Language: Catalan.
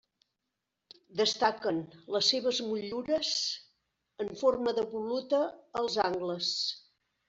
Destaquen les seves motllures en forma de voluta als angles.